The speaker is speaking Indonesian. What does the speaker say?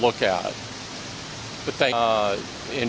dan ini adalah sesuatu yang akan kita lihat